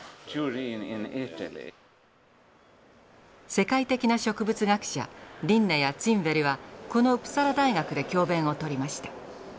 世界的な植物学者リンネやツィンベルはこのウプサラ大学で教鞭をとりました。